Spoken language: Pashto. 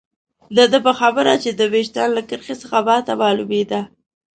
د ده په خبره چې د ویشتن له کرښې څخه ما ته معلومېده.